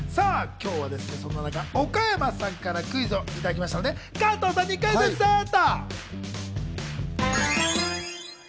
そんな中、岡山さんから今日クイズをいただきましたので、加藤さんにクイズッスっと！